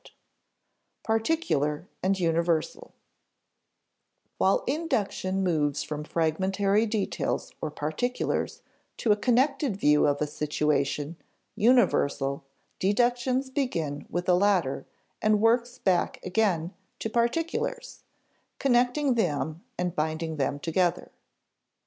[Sidenote: Particular and universal] While induction moves from fragmentary details (or particulars) to a connected view of a situation (universal), deduction begins with the latter and works back again to particulars, connecting them and binding them together.